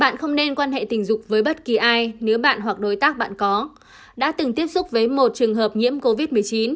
bạn không nên quan hệ tình dục với bất kỳ ai nếu bạn hoặc đối tác bạn có đã từng tiếp xúc với một trường hợp nhiễm covid một mươi chín